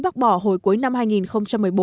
bác bỏ hồi cuối năm hai nghìn một mươi bốn